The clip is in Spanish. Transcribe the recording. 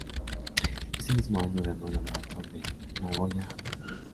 Ese mismo año ganó la maratón de Nagoya, Japón.